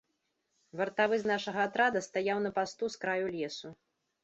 Вартавы з нашага атрада стаяў на пасту з краю лесу.